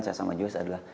saya sama joyce adalah